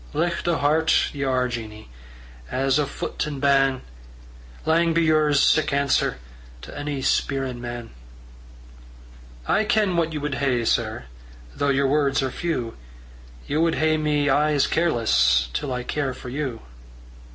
"Licht o' hert ye are, Jeannie, As o' foot and ban'! Lang be yours sic answer To ony spierin' man." "I ken what ye wad hae, sir, Though yer words are few; Ye wad hae me aye as careless, Till I care for you."